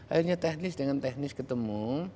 akhirnya teknis dengan teknis ketemu